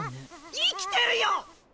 生きてるよ！